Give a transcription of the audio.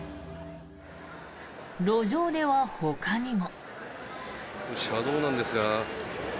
路上寝はほかにも。